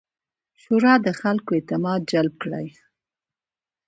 شورا د خلکو اعتماد جلب کړي.